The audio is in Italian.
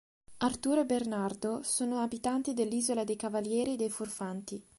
Arturo e Bernardo sono abitanti dell'isola dei cavalieri e dei furfanti.